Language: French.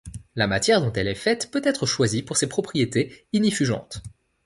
La matière dont elle est faite peut être choisie pour ses propriétés ignifugeantes.